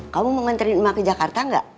kamu mau nganterin ma ke jakarta enggak